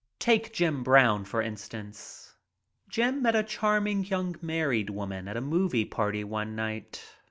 Take Jim Brown, for instance. Jim met a charm ing young married woman at a movie party one night.